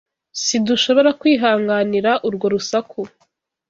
Sidushobora kwihanganira urwo rusaku.